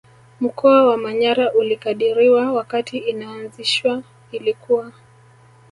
Mkoa wa manyara ulikadiriwa wakati inaazishwa ilikuwa